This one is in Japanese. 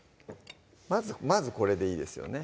まずこれでいいですよね